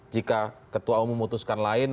jika ketua umum memutuskan lain